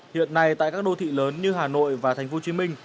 hiện nay tại các đô thị lớn như hà nội và tp hcm